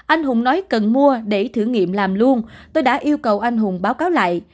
anh hùng nói cần mua để thử nghiệm làm luôn tôi đã yêu cầu anh hùng báo cáo lại